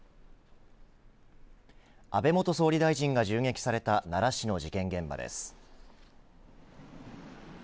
安倍元総理大臣が銃撃された奈良市の事件現場です。